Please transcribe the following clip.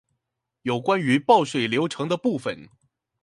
有關於報稅流程的部分